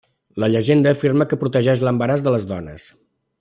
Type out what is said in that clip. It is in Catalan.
La llegenda afirma que protegeix l'embaràs de les dones.